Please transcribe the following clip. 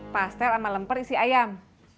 pastel sama lemper isi ayam